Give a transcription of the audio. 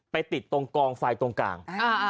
ไปติดตรงกองไฟตรงกลาง